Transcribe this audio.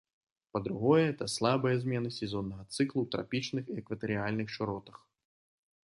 Па-другое, гэта слабыя змены сезоннага цыклу ў трапічных і экватарыяльных шыротах.